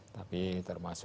tapi termasuk itu